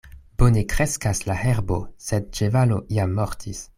Bone kreskas la herbo, sed ĉevalo jam mortis.